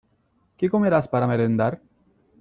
¿Qué comerás para merendar?